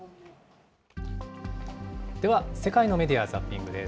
では、世界のメディア・ザッピングです。